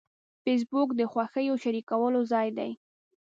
فېسبوک د خوښیو شریکولو ځای دی